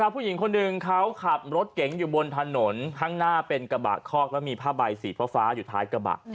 ผู้หญิงคนหนึ่งเขาขับรถเก๋งอยู่บนถนนข้างหน้าเป็นกระบะคอกแล้วมีผ้าใบสีฟ้าอยู่ท้ายกระบะ